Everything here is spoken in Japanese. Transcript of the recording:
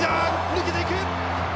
抜けていく！